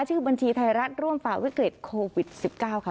ชื่อบัญชีไทยรัฐร่วมฝ่าวิกฤตโควิด๑๙ค่ะ